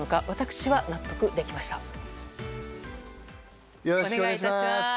私は納得できました。